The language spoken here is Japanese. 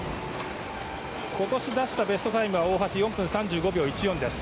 今年出したベストタイム大橋、４分３５秒１４でした。